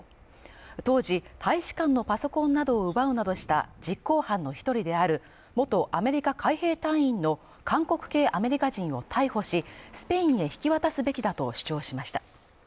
当時、大使館のパソコンなどを奪うなどした実行犯の１人である元アメリカ海兵隊員の韓国系アメリカ人を逮捕し、スペインへ引き渡すべきだと主張しました。